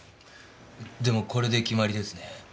でもこれで決まりですね。